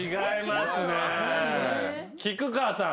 菊川さん